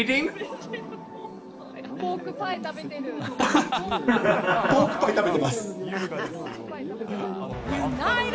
ポークパイ食べてます。